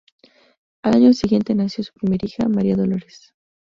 Al año siguiente nació su primera hija, María Dolores.